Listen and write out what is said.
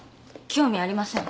興味ありません。